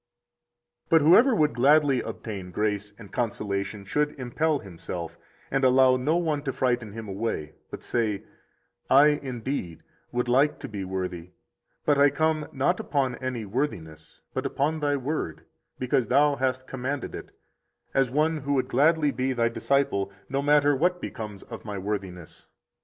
62 But whoever would gladly obtain grace and consolation should impel himself, and allow no one to frighten him away, but say: I, indeed, would like to be worthy; but I come, not upon any worthiness, but upon Thy Word, because Thou hast commanded it, as one who would gladly be Thy disciple, no matter what becomes of my worthiness.